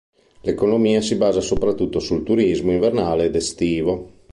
L'economia si basa soprattutto sul turismo, invernale ed estivo.